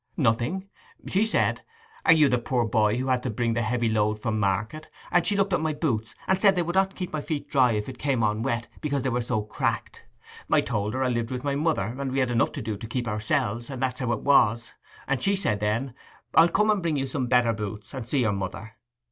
'Nothing. She said, "Are you the poor boy who had to bring the heavy load from market?" And she looked at my boots, and said they would not keep my feet dry if it came on wet, because they were so cracked. I told her I lived with my mother, and we had enough to do to keep ourselves, and that's how it was; and she said then, "I'll come and bring you some better boots, and see your mother."